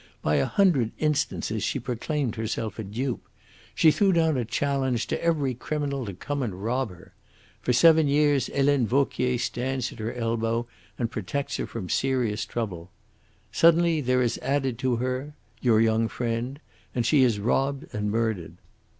By a hundred instances she proclaimed herself a dupe. She threw down a challenge to every criminal to come and rob her. For seven years Helene Vauquier stands at her elbow and protects her from serious trouble. Suddenly there is added to her your young friend, and she is robbed and murdered.